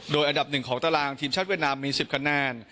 โดยอันดับ๑ของตารางทีมชาติเวียดนามมี๑๐คะแนน